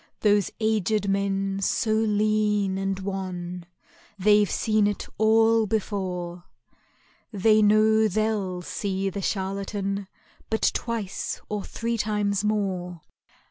Those aged men so lean and wan, They've seen it all before, They know they'll see the charlatan But twice or three times more.